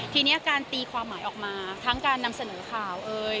ทีนี้การตีความหมายออกมาทั้งการนำเสนอข่าวเอ่ย